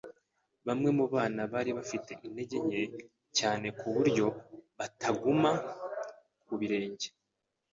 Bamwe mu bana bari bafite intege nke cyane ku buryo bataguma ku birenge.